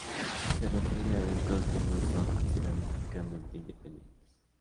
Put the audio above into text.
Se refiere a eventos que no son estadísticamente independientes.